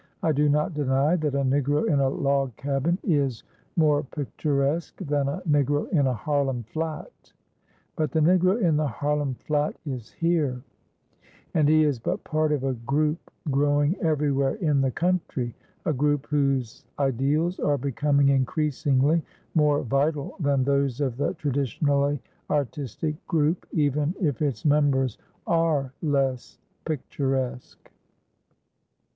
I do not deny that a Negro in a log cabin is more picturesque than a Negro in a Harlem flat, but the Negro in the Harlem flat is here, and he is but part of a group growing everywhere in the country, a group whose ideals are becoming increasingly more vital than those of the traditionally artistic group, even if its members are less picturesque.